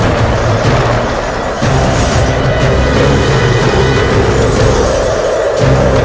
ayo kita segera berangkat